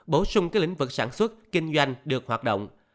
bổ sung các lĩnh vực sản xuất kinh doanh được hoạt động